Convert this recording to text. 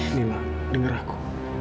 ini mak dengar aku